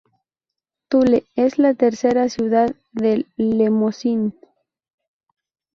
Tulle es la tercera ciudad del Lemosín.